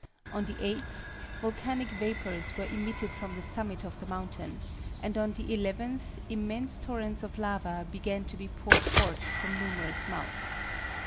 On the 8th, volcanic vapors were emitted from the summit of the mountain, and on the 11th immense torrents of lava began to be poured forth from numerous mouths.